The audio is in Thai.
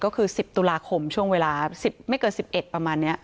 ก็คือ๑๐ตุลาคมช่วงเวลา๑๐ไม่เกิน๑๑ประมาณนี้